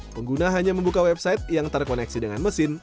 pengguna hanya membuka website yang terkoneksi dengan mesin